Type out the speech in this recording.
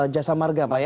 jasa marga pak ya